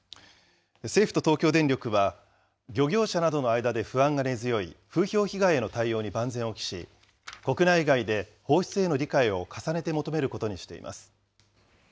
政府と東京電力は、漁業者などの間で不安が根強い風評被害への対応に万全を期し、国内外で放出への理解を重ねて求めることにしています。